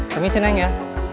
permisi neng ya